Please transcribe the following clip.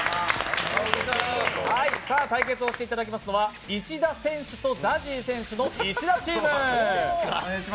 対決をしていただきますのは、石田選手とＺＡＺＹ選手の石田チーム。